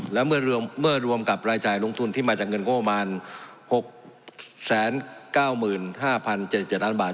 และเมื่อรวมกับรายจ่ายลงทุนที่มาจากเงินงบประมาณ๖๙๕๐๗๗ล้านบาท